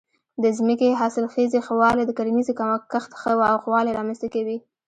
د ځمکې د حاصلخېزۍ ښه والی د کرنیزې کښت ښه والی رامنځته کوي.